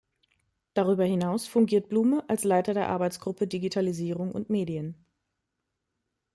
Darüber hinaus fungiert Blume als Leiter der Arbeitsgruppe Digitalisierung und Medien.